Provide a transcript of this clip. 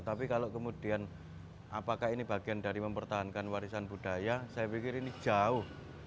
tapi kalau kemudian apakah ini bagian dari mempertahankan warisan budaya saya pikir ini jauh